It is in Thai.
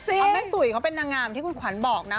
เอาแม่สุยเขาเป็นนางงามที่คุณขวัญบอกนะ